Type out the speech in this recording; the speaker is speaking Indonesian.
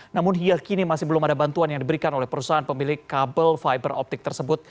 namun hingga kini masih belum ada bantuan yang diberikan oleh perusahaan pemilik kabel fiber optik tersebut